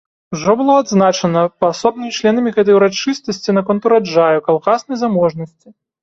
Ужо было адзначана паасобнымі членамі гэтай урачыстасці наконт ураджаю, калгаснай заможнасці.